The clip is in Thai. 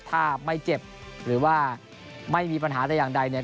ถ้าไม่เจ็บหรือว่าไม่มีปัญหาแต่อย่างใดเนี่ย